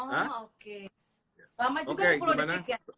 oke lama juga sepuluh detik ya